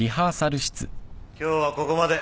今日はここまで。